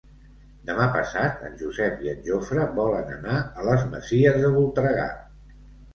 Demà passat en Josep i en Jofre volen anar a les Masies de Voltregà.